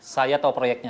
saya tau proyeknya